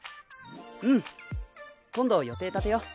うん。今度予定立てよう。